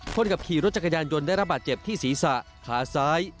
คนขับขี่รถจักรยานยนต์ได้ระบาดเจ็บที่ศีรษะขาซ้าย